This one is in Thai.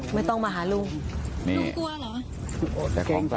ไม่ต้องมาหาลุง